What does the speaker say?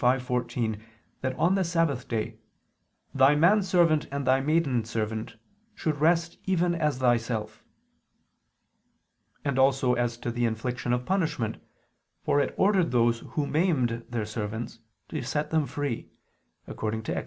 5:14) that on the Sabbath day "thy manservant and thy maidservant" should "rest even as thyself" and also as to the infliction of punishment, for it ordered those who maimed their servants, to set them free (Ex.